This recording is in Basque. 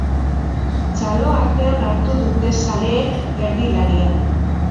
Txalo artean hartu dute zaleek erdilaria.